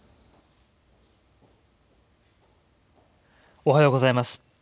おはようございます。